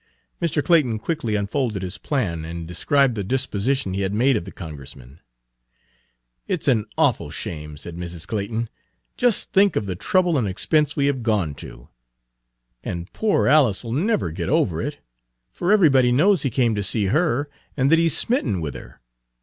Mr. Clayton quickly unfolded his plan, and described the disposition he had made of the Congressman. "It 's an awful shame," said Mrs. Clayton. "Just think of the trouble and expense we have gone to! And poor Alice 'll never get over it, for everybody knows he came to see her and that he's smitten with her.